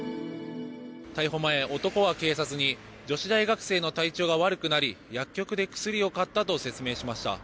逮捕前、男は警察に女子大学生の体調が悪くなり薬局で薬を買ったと説明しました。